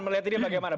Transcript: melihat ini bagaimana